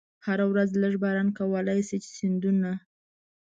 هره ورځ لږ باران کولای شي چې سیندونه.